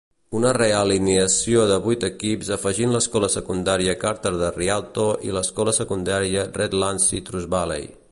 Una re-alineació de vuit equips afegint l'Escola Secundària Carter de Rialto i l'Escola Secundària Redlands Citrus Valley.